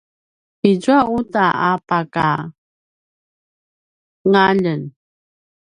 izua uta a pakangaljen